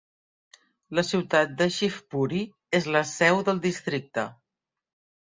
La ciutat de Shivpuri és la seu del districte.